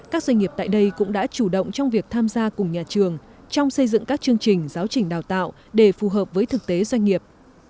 các doanh nghiệp tại đây cũng đã chủ động trong việc tham gia cùng nhà trường trong xây dựng các chương trình giáo trình đào tạo để phù hợp với thực tế doanh nghiệp